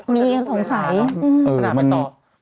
มีอีกคำถามสงสัย